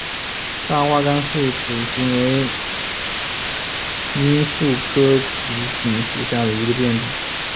大花甘肃紫堇为罂粟科紫堇属下的一个变种。